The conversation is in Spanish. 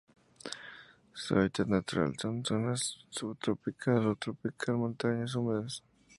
Su hábitat natural son: zonas subtropical o tropical, montañas húmedas.